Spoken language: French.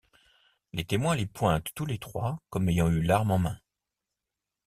Les témoins les pointent tous les trois comme ayant eu l'arme en main.